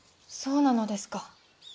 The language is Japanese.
そうなのですか。